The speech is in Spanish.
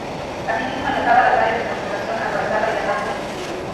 Asimismo enlazaba las áreas de concentración acorazada y las bases logísticas.